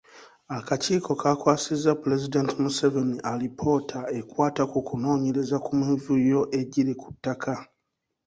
Akakiiko kaakwasizza Pulezidenti Museveni alipoota ekwata ku kunoonyereza ku mivuyo egiri ku ttaka.